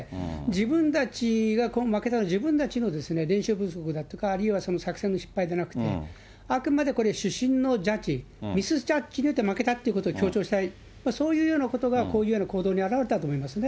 自分たちが負けたら自分たちの練習不足だとか、あるいは作戦の失敗じゃなくて、あくまでこれ、主審のジャッジ、ミスジャッジによって負けたってことを強調したい、そういうようなことが、こういうような行動に表れたと思いますね。